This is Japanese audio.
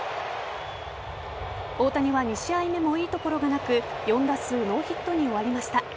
大谷は２試合目もいいところがなく４打数ノーヒットに終わりました。